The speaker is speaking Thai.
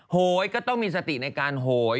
โหยก็ต้องมีสติในการโหย